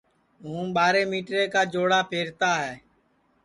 ہوں ٻاریں مِٹریں کا چوڑا پہرتا ہے